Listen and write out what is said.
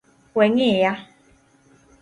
Weng’iya